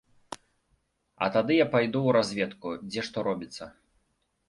А тады я пайду ў разведку, дзе што робіцца.